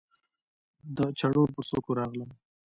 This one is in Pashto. د چړو پر څوکو راغلم